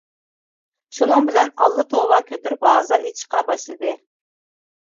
شۇنىڭ بىلەن ئاللا توۋا كۆتۈرۈپ ھازا ئېچىشقا باشلىدى.